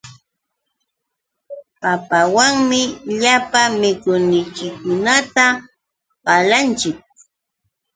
Papawanmi llapa mikuyninchikkunata qalanchik.